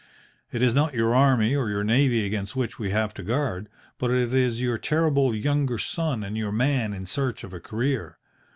It is not your army or your navy against which we have to guard, but it is your terrible younger son and your man in search of a career.